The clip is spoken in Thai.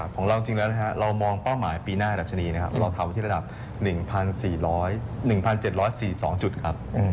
ของเรามองป้อมหมาปีหน้าดัชนีเราเขาที่ระดับ๑๗๔๒จุดครับ